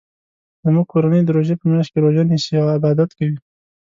زموږ کورنۍ د روژی په میاشت کې روژه نیسي او عبادت کوي